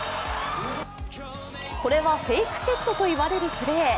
これはフェイクセットと言われるプレー。